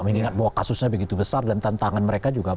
mengingat bahwa kasusnya begitu besar dan tantangan mereka juga